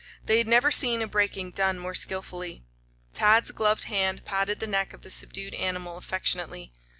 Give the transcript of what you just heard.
They had never seen a breaking done more skillfully. Tad's gloved hand patted the neck of the subdued animal affectionately.